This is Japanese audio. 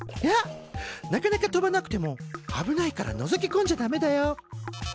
なかなか飛ばなくても危ないからのぞきこんじゃダメだよ。